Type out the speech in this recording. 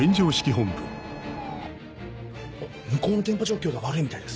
向こうの電波状況が悪いみたいです。